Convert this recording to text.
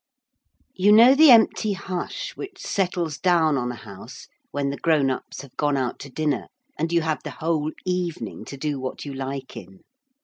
You know the empty hush which settles down on a house when the grown ups have gone out to dinner and you have the whole evening to do what you like in.